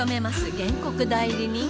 原告代理人？